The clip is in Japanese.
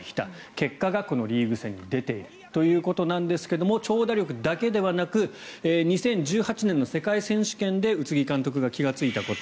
結果がこのリーグ戦に出ているということなんですが長打力だけではなく２０１８年の世界選手権で宇津木監督が気がついたこと。